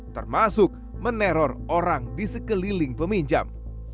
termasuk meneror orang di sekeliling peminjam